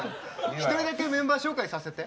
１人だけメンバー紹介させて。